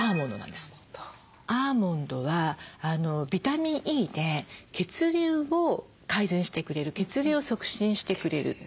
アーモンドはビタミンＥで血流を改善してくれる血流を促進してくれるという。